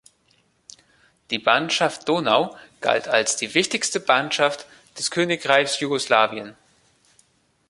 Die Banschaft Donau galt als die wichtigste Banschaft des Königreichs Jugoslawien.